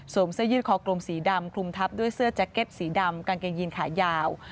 เสื้อยืดคอกลมสีดำคลุมทับด้วยเสื้อแจ็คเก็ตสีดำกางเกงยีนขายาว